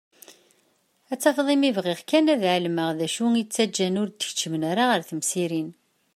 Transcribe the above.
Ad tafeḍ imi bɣiɣ kan ad ɛelmeɣ d acu i t-ittaǧǧan ur d-ikeččem ara ɣer temsirin.